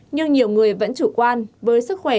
nhưng nhiều người vẫn chủ quan với sức khỏe